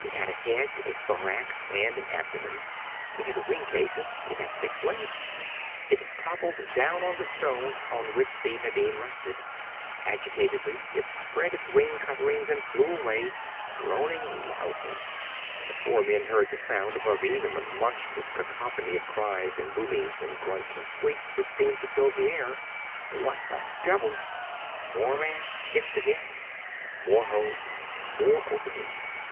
It had a head, a thorax, and an abdomen. It had wing cases. It had six legs. It toppled down to the stone on which the Nadine rested. Agitatedly, it spread its wing covers and flew away, droning loudly. The four men heard the sound above even the monstrous cacophony of cries and boomings and grunts and squeaks which seemed to fill the air. "What the devil ." Moran kicked again. More holes. More openings.